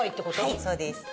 はいそうです。